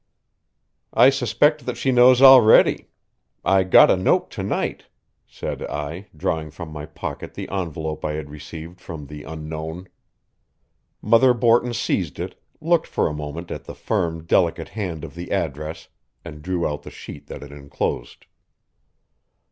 "I suspect that she knows already. I got a note to night," said I, drawing from my pocket the envelope I had received from the Unknown. Mother Borton seized it, looked for a moment at the firm, delicate hand of the address, and drew out the sheet that it inclosed.